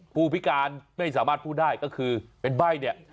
ผู้พิการไม่สามารถพูดได้ก็คือเป็นใบ้เนี่ย